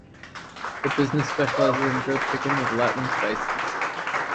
The business specializes in grilled chicken with Latin spices.